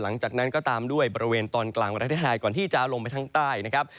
หลังจากนั้นก็ตามด้วยบริเวณตอนกลางประเทศไทยก่อนที่จะลงไปทางใต้นะครับ